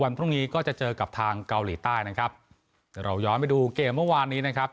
พรุ่งนี้ก็จะเจอกับทางเกาหลีใต้นะครับแต่เราย้อนไปดูเกมเมื่อวานนี้นะครับ